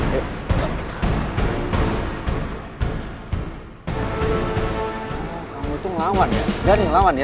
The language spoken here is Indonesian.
oh kamu itu ngelawan ya biarin ngelawan ya